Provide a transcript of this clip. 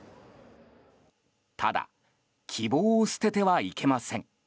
ただ、希望を捨ててはいけません。